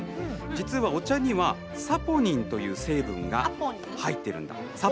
実は、お茶にはサポニンという成分が入ってるんだ。